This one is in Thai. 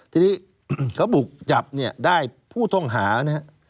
ทีนี้เขาบุกจับเนี่ยได้ผู้ต้องหานะครับ